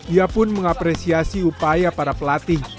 ia pun mengapresiasi upaya para pelatih